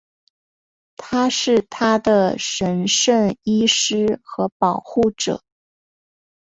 他是她的神圣医师和保护者。